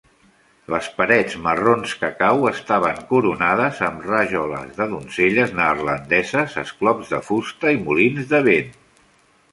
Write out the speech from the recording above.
Les parets marrons cacau estaven coronades amb rajoles de donzelles neerlandeses, esclops de fusta i molins de vent.